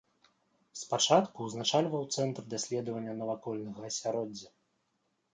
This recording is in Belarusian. Спачатку ўзначальваў цэнтр даследавання навакольнага асяроддзя.